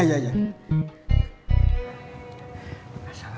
kalau pak khadesh salah ngasih amplop